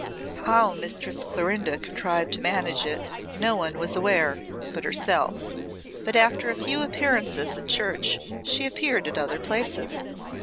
How Mistress Clorinda contrived to manage it no one was aware but herself, but after a few appearances at church she appeared at other places.